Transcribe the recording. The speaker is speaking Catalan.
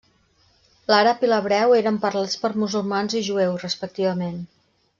L'àrab i l'hebreu eren parlats per musulmans i jueus, respectivament.